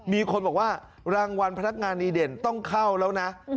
มีคนบอกว่ารางวัลพนักงานดีเด่นต้องเข้าแล้วนะ